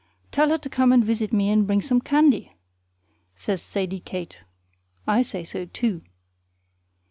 "Tell her to come and visit me and bring some candy," says Sadie Kate. I say so, too.